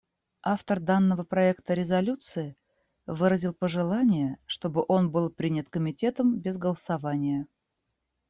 Автор данного проекта резолюции выразил пожелание, чтобы он был принят Комитетом без голосования.